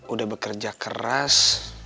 udah bekerja keras